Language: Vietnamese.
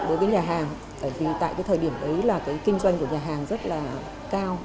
đối với nhà hàng tại vì tại cái thời điểm đấy là cái kinh doanh của nhà hàng rất là cao